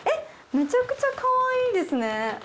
めちゃくちゃかわいいですね。